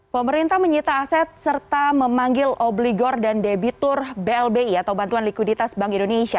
pemerintah menyita aset serta memanggil obligor dan debitur blbi atau bantuan likuiditas bank indonesia